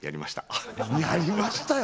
やりましたよ